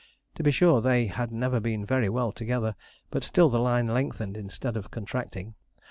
To be sure, they had never been very well together, but still the line lengthened instead of contracting.